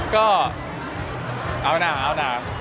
ก็เอาน่าเอาน่า